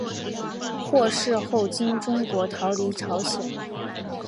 获释后经中国逃离朝鲜。